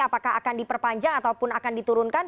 apakah akan diperpanjang ataupun akan diturunkan